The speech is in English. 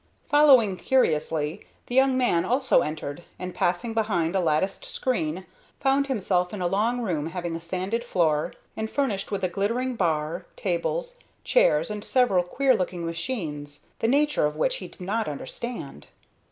Following curiously, the young man also entered, and, passing behind a latticed screen, found himself in a long room having a sanded floor, and furnished with a glittering bar, tables, chairs, and several queer looking machines, the nature of which he did not understand.